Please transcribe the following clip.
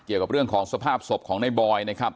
เกี่ยวกับเรื่องของสภาพศพของในบอยนะครับ